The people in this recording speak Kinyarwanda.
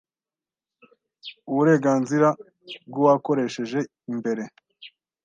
Uburenganzira bw uwakoresheje mbere